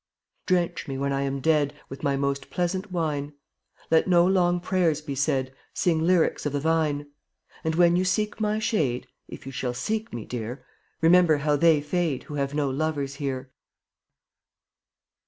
Drench me when I am dead With my most pleasant wine; Let no long prayers be said — Sing lyrics of the vine. And when you seek my shade, (If you shall seek me, Dear), Remember how they fade Who have no lovers here.